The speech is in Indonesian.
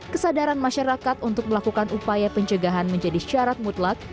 kesadaran masyarakat untuk melakukan upaya pencegahan menjadi syarat mutlak